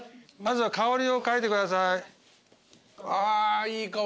まずは香りを嗅いでください。